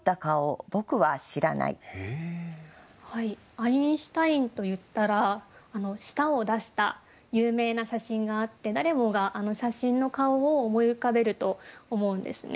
アインシュタインといったら舌を出した有名な写真があって誰もがあの写真の顔を思い浮かべると思うんですね。